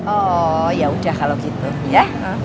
oh ya udah kalau gitu ya